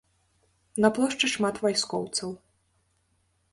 На плошчы шмат вайскоўцаў.